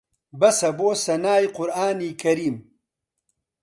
بەسە بۆ سەنای قورئانی کەریم